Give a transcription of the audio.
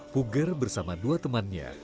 puger bersama dua temannya